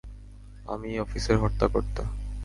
আমিই অফিসের হর্তাকর্তা।